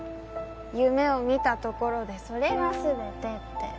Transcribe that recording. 夢を見たところでそれが全てって